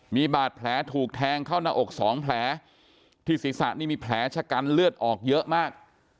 มีบาดแผลถูกแทงเข้าหน้าอกสองแผลที่ศีรษะนี่มีแผลชะกันเลือดออกเยอะมาก